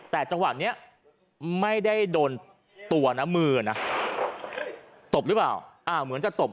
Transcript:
แต่จังหวะนี้ไม่ได้โดนตัวนะมือนะตบหรือเปล่าเหมือนจะตบ